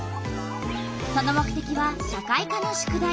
その目てきは社会科の宿題。